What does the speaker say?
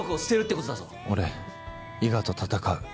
俺、伊賀と戦う。